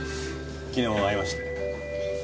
昨日会いましたよ。